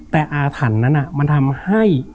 แต่อาถรรพ์นั้นมันทำให้